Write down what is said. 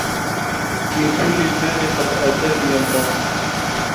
مِنْ كُلِّ الْمَالِ قَدْ آتَانِي اللَّهُ